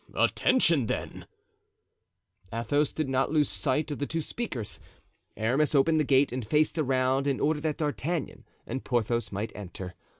"Attention, then!" Athos did not lose sight of the two speakers. Aramis opened the gate and faced around in order that D'Artagnan and Porthos might enter.